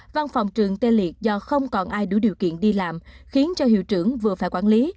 văn phòng trường tê liệt do không còn ai đủ điều kiện đi làm khiến cho hiệu trưởng vừa phải quản lý